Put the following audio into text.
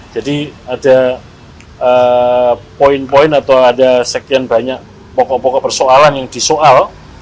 jadi ada poin poin atau ada sekian banyak pokok pokok persoalan yang disoal